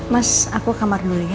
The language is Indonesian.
mas aku kamar dulu ya